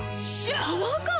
パワーカーブ